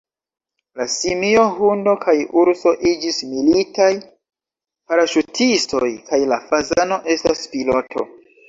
La simio, hundo kaj urso iĝis militaj paraŝutistoj kaj la fazano estas piloto.